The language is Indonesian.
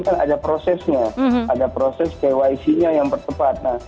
kan ada prosesnya ada proses kyc nya yang bertepat